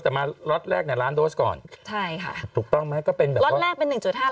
แต่มารถแรกแหละล้านโดสก่อนใช่ค่ะถูกต้องไหมก็เป็นแบบว่ารถแรกเป็นหนึ่งจุดห้าล้านโดส